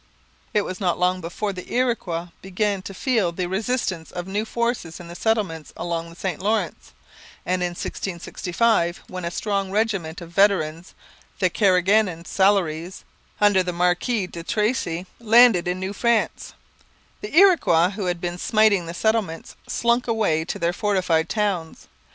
It was not long before the Iroquois began to feel the resistance of new forces in the settlements along the St Lawrence; and in 1665, when a strong regiment of veterans, the Carignan Salieres, under the Marquis de Tracy, landed in New France, the Iroquois who had been smiting the settlements slunk away to their fortified towns.